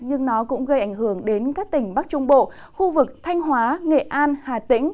nhưng nó cũng gây ảnh hưởng đến các tỉnh bắc trung bộ khu vực thanh hóa nghệ an hà tĩnh